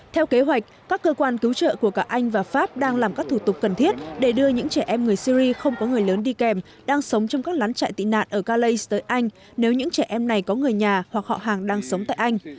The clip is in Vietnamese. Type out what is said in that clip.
theo kế hoạch các cơ quan cứu trợ của cả anh và pháp đang làm các thủ tục cần thiết để đưa những trẻ em người syri không có người lớn đi kèm đang sống trong các lán chạy tị nạn ở calais tới anh